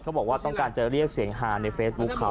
บอกว่าต้องการจะเรียกเสียงฮาในเฟซบุ๊คเขา